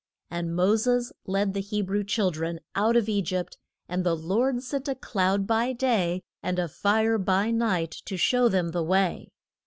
And Mo ses led the He brew chil dren out of E gypt, and the Lord sent a cloud by day and a fire by night to show them the way.